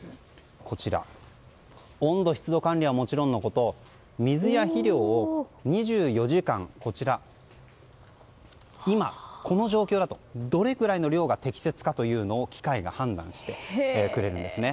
こちら、温度・湿度管理はもちろんのこと水や肥料を２４時間、今この状況だとどれぐらいの量が適切かというのを機械が判断してくれるんですね。